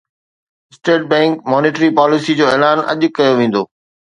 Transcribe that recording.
state Bank monetary policy جو اعلان اڄ ڪيو ويندو